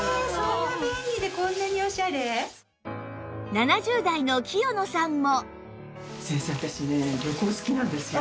７０代の清野さんも